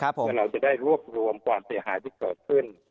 เพื่อเราจะได้รวบรวมความเสียหายที่เกิดขึ้น